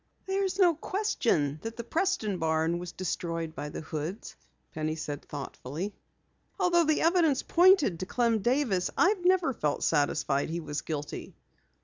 "There's no question the Preston barn was destroyed by the Hoods," Penny said reflectively. "Although the evidence pointed to Clem Davis, I've never felt satisfied he was guilty."